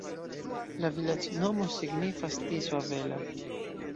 La vilaĝnomo signifas: Tiso-avela.